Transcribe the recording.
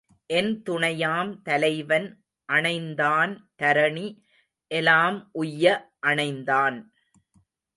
என் துணையாம் தலைவன் அணைந்தான் தரணி எலாம் உய்ய அணைந்தான்.